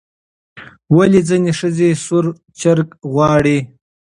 ولې ځینې ښځې سور چرګ غواړي؟